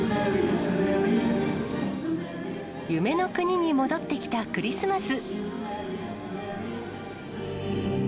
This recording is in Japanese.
夢の国に戻ってきたクリスマス。